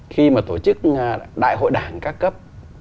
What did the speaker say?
khi mà tổ chức đại hội đảng các cấp